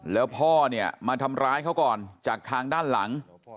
แล้วพ่อเนี่ยมาทำร้ายเขาก่อนจากทางด้านหลัง